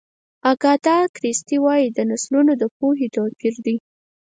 اګاتا کریسټي وایي د نسلونو د پوهې توپیر دی.